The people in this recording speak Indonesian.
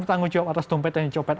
tanggung jawab atas dompet yang dicopet